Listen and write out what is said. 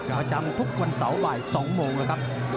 ประจำทุกวันเสาร์บ่าย๒โมงแล้วครับ